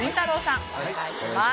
さんお願いします。